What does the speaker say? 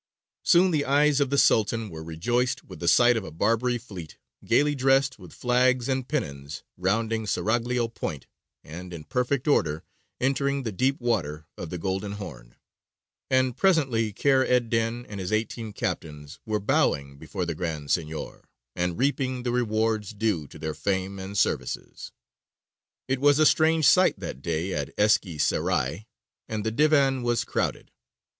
Soon the eyes of the Sultan were rejoiced with the sight of a Barbary fleet, gaily dressed with flags and pennons, rounding Seraglio Point, and, in perfect order, entering the deep water of the Golden Horn; and presently Kheyr ed dīn and his eighteen captains were bowing before the Grand Signior, and reaping the rewards due to their fame and services. It was a strange sight that day at Eski Serai, and the divan was crowded.